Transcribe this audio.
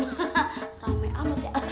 rame amat ya